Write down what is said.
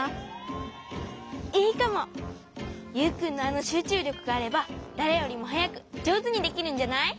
ユウくんのあのしゅうちゅうりょくがあればだれよりもはやくじょうずにできるんじゃない？